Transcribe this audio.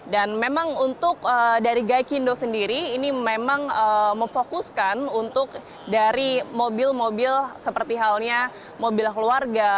dan memang untuk dari gai kindo sendiri ini memang memfokuskan untuk dari mobil mobil seperti halnya mobil keluarga